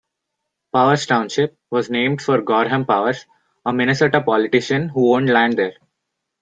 Powers Township was named for Gorham Powers, a Minnesota politician who owned land there.